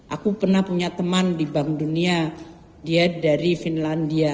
aku pernah punya teman di bank dunia dia dari finlandia